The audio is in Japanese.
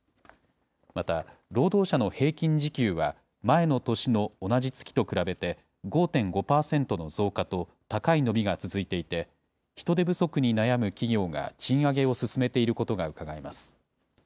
また、労働者の平均時給は前の年の同じ月と比べて５．５％の増加と高い伸びが続いていて、人手不足に悩む企業が賃上げを進めていることがうかがえます。